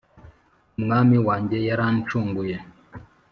Umwami wanjye yaranshunguye